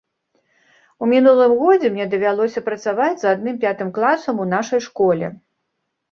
У мінулым годзе мне давялося працаваць з адным пятым класам у нашай школе.